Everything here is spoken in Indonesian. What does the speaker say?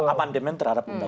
amandemen terhadap untuk